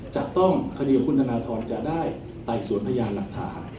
จัดต้องคดีของคุณธนาธรณ์จะได้ใต้สวนพญานหลักฐา